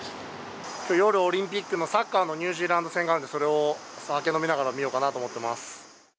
夜、オリンピックのサッカーのニュージーランド戦があるので、それを、お酒を飲みながら見ようかなと思ってます。